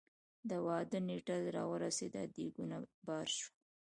د واده نېټه را ورسېده ديګونه بار شول.